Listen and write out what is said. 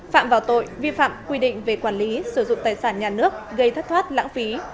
phạm vào tội vi phạm quy định về quản lý sử dụng tài sản nhà nước gây thất thoát lãng phí